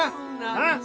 あっ！？